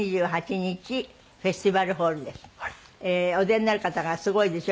お出になる方がすごいですよ。